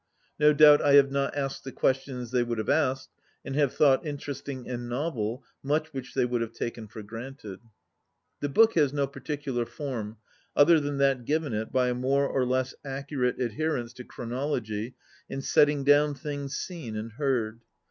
No doubt I have not asked the questions they would have asked, and have thought interesting and novel much which they would have taken for granted. I The book has no particular form, other than that given it by a more or less accurate adherence to chronology in setting down things seen and heard.